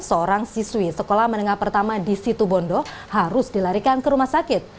seorang siswi sekolah menengah pertama di situ bondo harus dilarikan ke rumah sakit